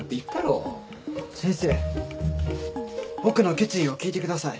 僕の決意を聞いてください。